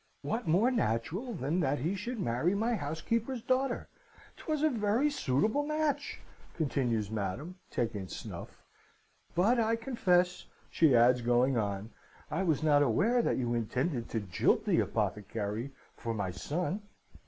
"'What more natural than that he should marry my housekeeper's daughter 'twas a very suitable match!' continues Madam, taking snuff. 'But I confess,' she adds, going on, 'I was not aware that you intended to jilt the apothecary for my son!'